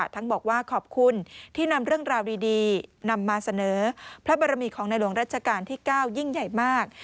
ทั้งบอกว่าขอบคุณที่นำเรื่องราวดีนำมาเสนอพระบรมีของในหลวงรัชกาลที่๙ยิ่งใหญ่มาก